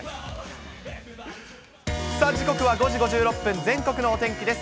さあ、時刻は５時５６分、全国のお天気です。